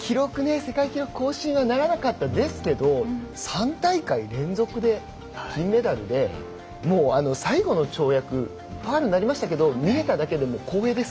世界記録更新はならなかったですけど３大会連続で金メダルで最後の跳躍ファウルになりましたけど見れただけでも光栄です。